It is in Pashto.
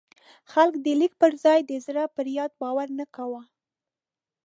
خلک د لیک پر ځای د زړه پر یاد باور نه کاوه.